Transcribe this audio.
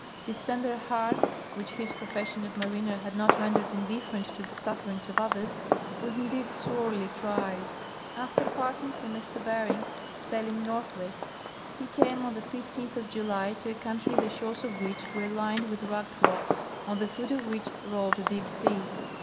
His tender heart, which his profes sion of mariner had not rendered indifferent to the sufferings of others, was indeed sorely tried. After parting from M. Bering, sailing north west, he came on the 15th of July to a country the shores of which were lined with rugged rocks, at the foot of which rolled a deep sea.